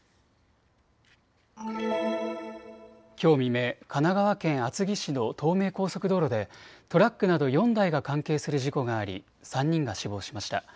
きょう未明、神奈川県厚木市の東名高速道路でトラックなど４台が関係する事故があり３人が死亡しました。